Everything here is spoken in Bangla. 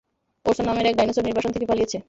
ওরসন নামের এক ডাইনোসর নির্বাসন থেকে পালিয়েছে।